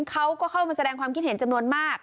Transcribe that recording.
เขาก็เข้ามาแสดงความคิดเห็นจำนวนมาก